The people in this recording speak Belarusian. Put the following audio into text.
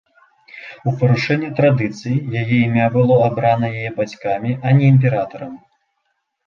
У парушэнне традыцый, яе імя было абрана яе бацькамі, а не імператарам.